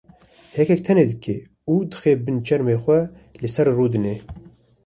hêkek tenê dike û dixe bin çermê xwe li ser rûdine.